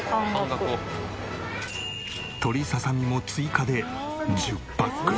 鶏ささみも追加で１０パック。